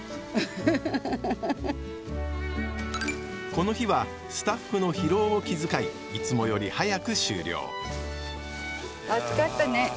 この日はスタッフの疲労を気遣いいつもより早く終了暑かったね。